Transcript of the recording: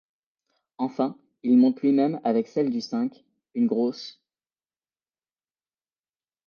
Enfin, il monte lui-même avec celle du cinq, une grosse...